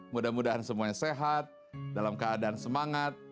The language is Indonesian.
mudah mudahan semuanya sehat dalam keadaan semangat